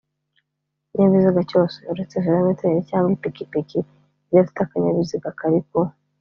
ikinyabiziga cyose uretse velomoteri cyangwa ipikipiki idafite akanyabiziga kari ku